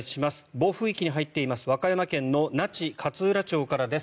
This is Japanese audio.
暴風域に入っている和歌山県の那智勝浦町からです。